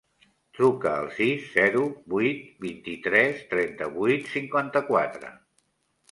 Truca al sis, zero, vuit, vint-i-tres, trenta-vuit, cinquanta-quatre.